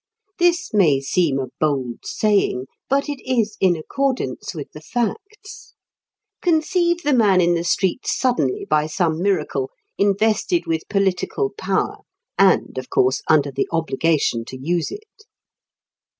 This may seem a bold saying, but it is in accordance with the facts. Conceive the man in the street suddenly, by some miracle, invested with political power, and, of course, under the obligation to use it.